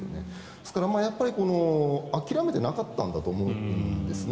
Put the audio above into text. ですから、諦めてなかったんだと思うんですね。